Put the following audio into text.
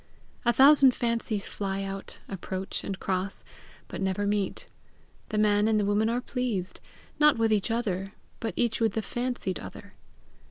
A thousand fancies fly out, approach, and cross, but never meet; the man and the woman are pleased, not with each other, but each with the fancied other.